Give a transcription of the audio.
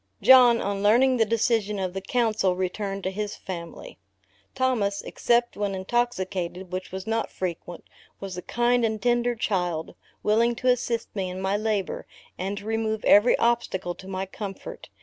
John, on learning the decision of the council, returned to his family. Thomas (except when intoxicated, which was not frequent,) was a kind and tender child, willing to assist me in my labor, and to remove every obstacle to my comfort.